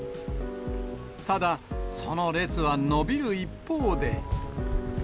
ただ、その列は延びる一方で。